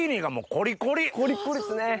コリコリっすね。